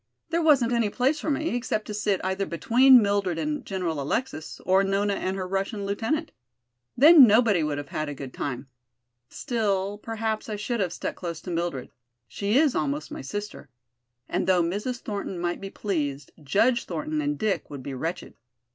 There wasn't any place for me, except to sit either between Mildred and General Alexis, or Nona and her Russian lieutenant. Then nobody would have had a good time. Still, perhaps I should have stuck close to Mildred; she is almost my sister. And though Mrs. Thornton might be pleased, Judge Thornton and Dick would be wretched.